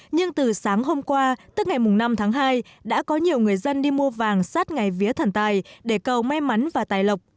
nhưng từ sáng hôm qua tức ngày năm tháng hai đã có nhiều người dân đi mua vàng sát ngày vía thần tài để cầu may mắn và tài lộc